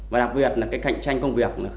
và đặc biệt là cạnh tranh công việc